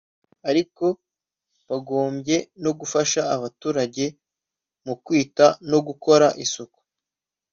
Ariko bagombye no gufasha abaturage mu kwita no gukora isuku